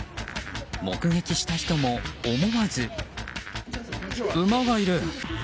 目撃した人も、思わず。